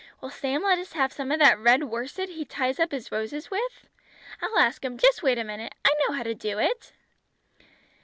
Will Sam let us have some of that red worsted he ties up his roses with? I'll ask him. Just wait a minute. I know how to do it!"